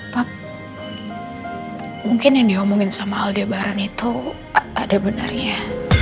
pak mungkin yang diomongin sama aldebaran itu ada benarnya